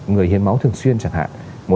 người hiến máu thường xuyên chẳng hạn